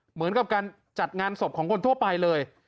เหมือนกับการจัดงานศพของคนทั่วไปเลย